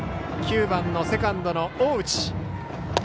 ９番、セカンドの大内。